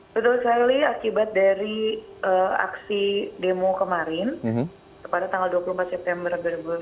betul sekali akibat dari aksi demo kemarin pada tanggal dua puluh empat september dua ribu sembilan belas